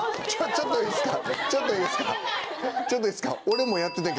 ちょっといいですか？